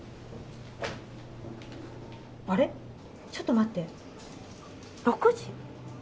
あれっちょっと待って６時？